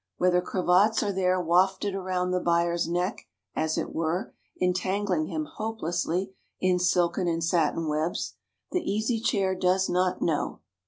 Whether cravats are there wafted around the buyer's neck, as it were, entangling him hopelessly in silken and satin webs, the Easy Chair does not know.